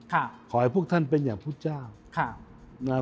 ขอให้พวกท่านเป็นอย่างพุทธเจ้า